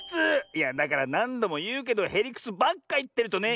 いやだからなんどもいうけどへりくつばっかいってるとね。